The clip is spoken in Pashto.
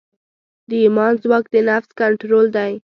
د ایمان ځواک د نفس کنټرول دی.